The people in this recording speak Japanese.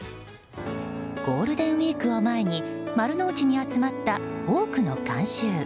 ゴールデンウィークを前に丸の内に集まった多くの観衆。